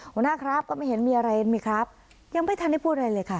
หัวหน้าครับก็ไม่เห็นมีอะไรมีครับยังไม่ทันได้พูดอะไรเลยค่ะ